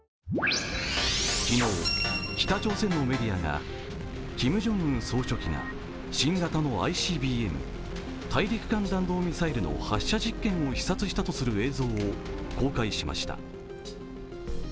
昨日、北朝鮮のメディアがキムジョンウン総書記が新型のＩＣＢＭ＝大陸間弾道ミサイルの発射実験を視察したとする映像を公開しました。